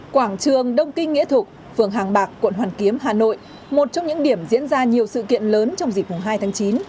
quảng trường đông kinh nghĩa thục phường hàng bạc quận hoàn kiếm hà nội một trong những điểm diễn ra nhiều sự kiện lớn trong dịp hai tháng chín